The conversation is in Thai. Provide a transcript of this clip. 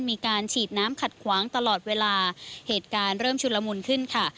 มีการฉีดน้ำขัดขวางตลอดเวลาเหตุการณ์เริ่มชุลมุนขึ้นค่ะ